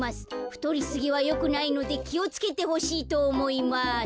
ふとりすぎはよくないのできをつけてほしいとおもいます」。